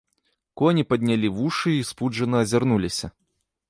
Коні паднялі вушы і спуджана азірнуліся.